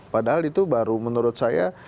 padahal itu baru menurut saya